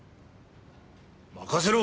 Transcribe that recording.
任せろ！